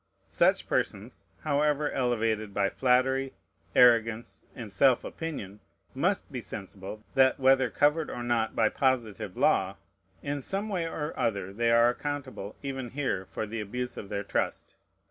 Such persons, however elevated by flattery, arrogance, and self opinion, must be sensible, that, whether covered or not by positive law, in some way or other they are accountable even here for the abuse of their trust.